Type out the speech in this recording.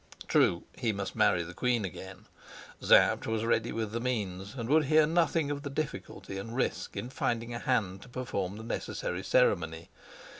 True, he must marry the queen again; Sapt was ready with the means, and would hear nothing of the difficulty and risk in finding a hand to perform the necessary ceremony.